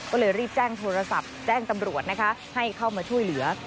ก็เลยรีบแจ้งโทรศัพท์แจ้งตำรวจนะคะให้เข้ามาช่วยเหลือ